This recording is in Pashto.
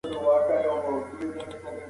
طبیعت د ملکیار په شعر کې ډېر یاد شوی.